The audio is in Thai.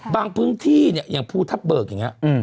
บางพื้นที่อย่างภูทับเบิกอย่างนี้